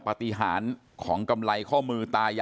คุโมโนราเลยครับ